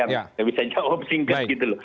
tidak bisa jawab singkat gitu loh